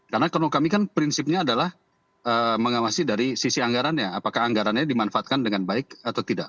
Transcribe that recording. karena kalau kami kan prinsipnya adalah mengawasi dari sisi anggarannya apakah anggarannya dimanfaatkan dengan baik atau tidak